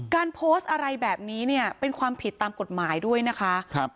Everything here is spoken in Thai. การโพสต์อะไรแบบนี้เนี่ยเป็นความผิดตามกฎหมายด้วยนะคะ